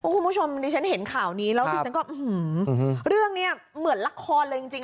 คุณผู้ชมนี่ฉันเห็นข่าวนี้แล้วสินะก็หือหือเรื่องเนี้ยเหมือนละครเลยจริงจริง